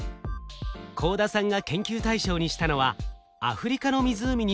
幸田さんが研究対象にしたのはアフリカの湖にすむ魚です。